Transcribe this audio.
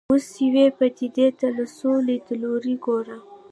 اوس یوې پدیدې ته له څو لیدلوریو ګورو.